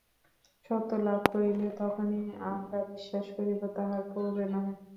সত্য লাভ করিলে তখনই আমরা বিশ্বাস করিব, তাহার পূর্বে নহে।